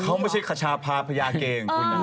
เขาไม่ใช่ขชาพราพยาเกย์ของคุณเนี่ย